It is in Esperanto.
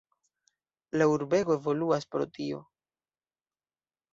La urbego evoluas pro tio.